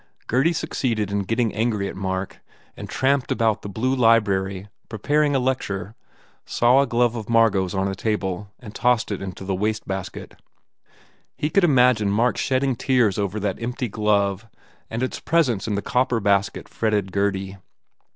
Gurdy succeeded in getting angry at Mark and tramped about the blue library preparing a lec ture, saw a glove of Margot s on a table and tossed it into a waste basket. He could imagine Mark shedding tears over that empty glove and its presence in the copper basket fretted Gurdy.